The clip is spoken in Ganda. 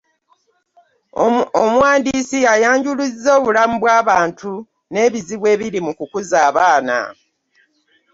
Omuwandiisi ayanjuluza obulamu bw’abantu n’ebizibu ebiri mu kukuza abaana.